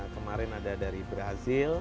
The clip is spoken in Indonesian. kemarin ada dari brazil